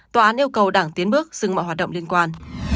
tòa án yêu cầu đảng tiến bước dừng mọi hoạt động liên quan